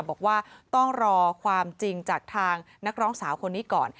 บอกว่าต้องรอความจริงจากทางนักร้องสาวคนนี้ก่อน